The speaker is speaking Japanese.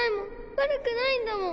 悪くないんだもん。